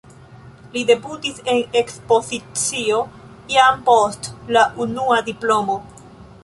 Li debutis en ekspozicio jam post la unua diplomo.